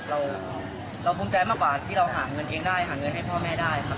เราภูมิใจมากกว่าที่เราหาเงินเองได้หาเงินให้พ่อแม่ได้ครับ